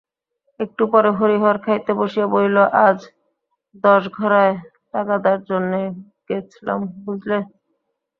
একটু পরে হরিহর খাইতে বসিয়া বলিল, আজ দশঘরায় তাগাদার জন্যে গেছলাম, বুঝলে?